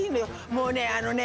もうねあのね